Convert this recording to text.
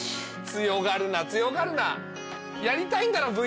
強がるな強がるなやりたいんだろ？